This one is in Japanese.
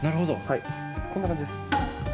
こんな感じです。